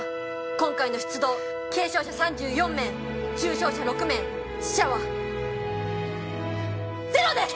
今回の出動軽傷者３４名重傷者６名死者はゼロです！